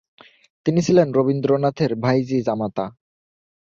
তিনি ছিলেন রবীন্দ্রনাথের ভাইঝি জামাতা।